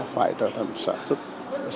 phải trở thành sản xuất